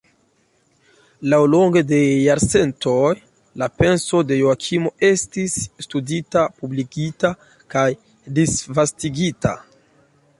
Laŭlonge de jarcentoj la penso de Joakimo estis studita, publikigita kaj disvastigita.